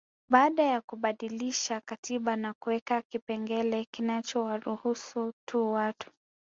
Baada ya kubadilisha katiba na kuweka kipengele kinachowaruhusu tu watu